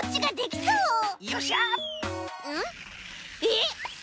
えっ！